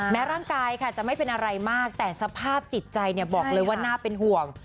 ร่างกายค่ะจะไม่เป็นอะไรมากแต่สภาพจิตใจบอกเลยว่าน่าเป็นห่วง